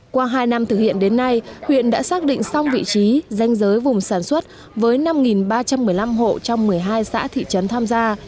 qua hai năm thực hiện đến nay huyện đã xác định xong vị trí danh giới vùng sản xuất với năm ba trăm một mươi năm hộ trong một mươi hai xã thị trấn tham gia